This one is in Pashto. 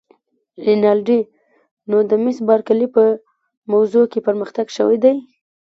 رینالډي: نو د مس بارکلي په موضوع کې پرمختګ شوی دی؟